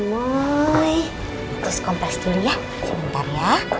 lepas kompres dulu ya sebentar ya